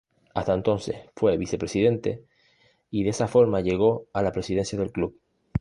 Hasta entonces fue vicepresidente y de esa forma llegó a la presidencia del club.